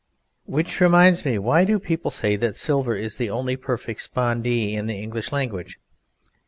] Which reminds me, why do people say that silver is the only perfect spondee in the English language?